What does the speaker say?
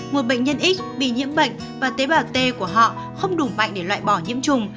một bệnh nhân ít bị nhiễm bệnh và tế bào t của họ không đủ mạnh để loại bỏ nhiễm trùng